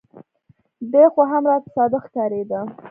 دى خو هم راته صادق ښکارېده.